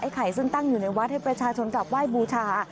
ไข่ซึ่งตั้งอยู่ในวัดให้ประชาชนกลับไหว้บูชา